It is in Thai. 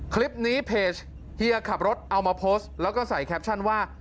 คลิปนี้เพจเฮียขับรถเอามาโพสต์แล้วก็ใส่แคปชั่นว่า